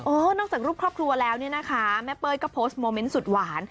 นอกจากรูปครอบครัวแล้วเนี่ยนะคะแม่เป้ยก็โพสต์โมเมนต์สุดหวาน